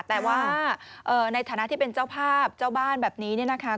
แต่ว่าในฐานะที่เป็นเจ้าภาพเจ้าบ้านแบบนี้เนี่ยนะคะ